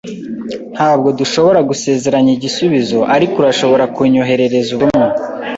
Ntabwo nshobora gusezeranya igisubizo, ariko urashobora kunyoherereza ubutumwa.